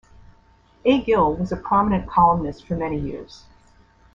A. Gill was a prominent columnist for many years.